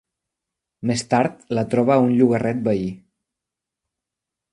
Més tard, la troba a un llogarret veí.